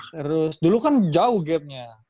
terus dulu kan jauh gapnya